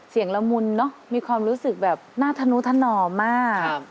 เสียงละมุนมีความรู้สึกแบบน่าทะนุทะหน่อมาก